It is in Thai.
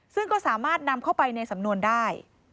ซึ่งก็สามารถนำเข้าไปในสำนวนได้